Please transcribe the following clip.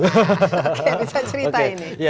oke bisa cerita ini